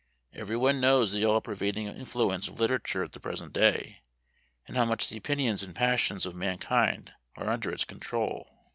Every one knows the all pervading influence of literature at the present day, and how much the opinions and passions of mankind are under its control.